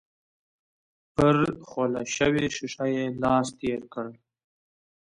پر خوله شوې ښيښه يې لاس تېر کړ.